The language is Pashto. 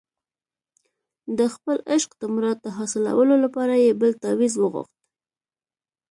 د خپل عشق د مراد د حاصلولو لپاره یې بل تاویز وغوښت.